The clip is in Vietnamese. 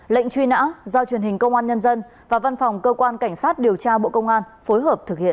lệnh truy nã do truyền hình công an nhân dân và văn phòng cơ quan cảnh sát điều tra bộ công an phối hợp thực hiện